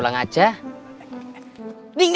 bapakouteribu jadi nagus